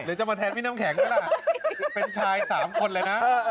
จะมาแทนพี่น้ำแข็งไหมล่ะเป็นชาย๓คนเลยนะ